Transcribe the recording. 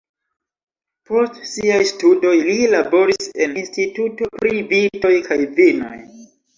Post siaj studoj li laboris en instituto pri vitoj kaj vinoj.